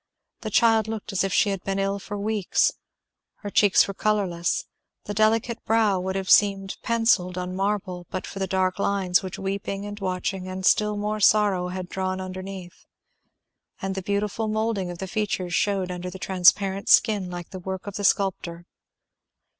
The child looked as if she had been ill for weeks. Her cheeks were colourless; the delicate brow would have seemed pencilled on marble but for the dark lines which weeping and watching, and still more sorrow, had drawn underneath; and the beautiful moulding of the features shewed under the transparent skin like the work of the sculptor.